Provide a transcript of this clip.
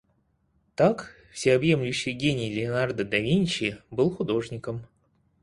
Так, всеобъемлющий гений Леонардо да Винчи был художником.